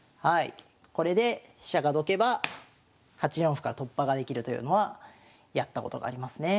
これで飛車がどけば８四歩から突破ができるというのはやったことがありますね。